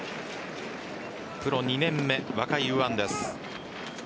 プロ２年目、若い右腕です。